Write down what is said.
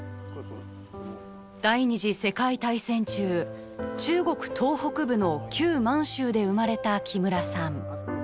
第二次世界大戦中中国東北部の旧満州で生まれた木村さん。